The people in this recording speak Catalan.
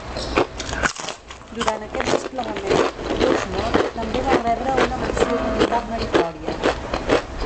Durant aquest desplegament, "Rushmore" també va rebre una Menció d'unitat meritòria.